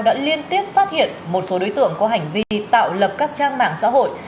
đã liên tiếp phát hiện một số đối tượng có hành vi tạo lập các trang mạng xã hội